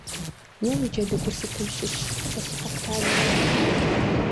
Уэ уи джэдыгур сытым щыщ, сэ си къэпталым елъытауэ.